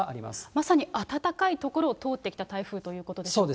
まさに暖かい所を通ってきた台風ということでしょうか。